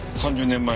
３０年前。